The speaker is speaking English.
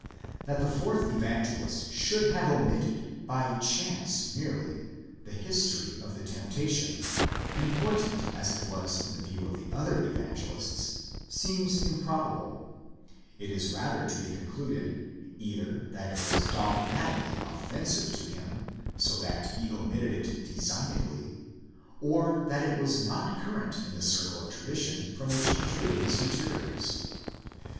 * That the fourth Evangelist should have omitted, by chance merely, the history of the temptation, important as it was in the view of the other Evangelists, seems improbable: it is rather to be concluded, either that it was dogmatically offensive to him, so that he omitted it designedly, or that it was not current in the circle of tradition from which he drew his materials.